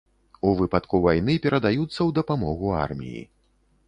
У выпадку вайны перадаюцца ў дапамогу арміі.